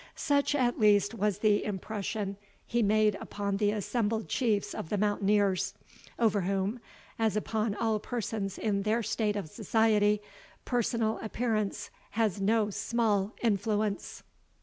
Such, at least, was the impression he made upon the assembled Chiefs of the mountaineers, over whom, as upon all persons in their state of society, personal appearance has no small influence.